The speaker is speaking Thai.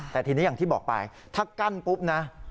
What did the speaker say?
แต่ทีนี้อย่างที่บอกไปถ้ากั้นปุ๊บนะ